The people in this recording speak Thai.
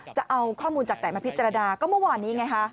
จะเอาข้อมูลจากไหนมาพิจารณาก็เมื่อวานนี้ไงฮะ